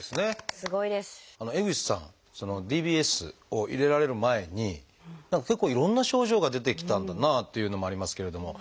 ＤＢＳを入れられる前に何か結構いろんな症状が出てきたんだなというのもありますけれどもふるえとか。